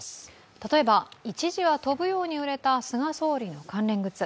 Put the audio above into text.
例えば一時は飛ぶように売れた菅総理の関連グッズ。